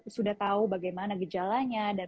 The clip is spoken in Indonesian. sudah tahu bagaimana gejalanya dan